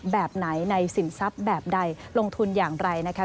แบบไหนในสินทรัพย์แบบใดลงทุนอย่างไรนะคะ